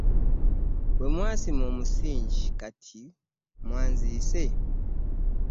We mwasima omusingi kati wazise.